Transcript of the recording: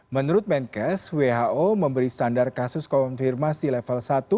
menurut menkes who memberi standar kasus konfirmasi level satu